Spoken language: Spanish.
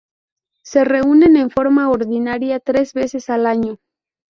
Se reúnen en forma ordinaria tres veces al año.